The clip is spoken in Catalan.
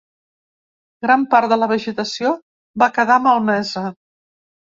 Gran part de la vegetació va quedar malmesa.